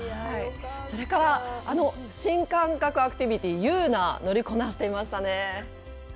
それから、新感覚アクティビティ、ユーナー、乗りこなしていましたね。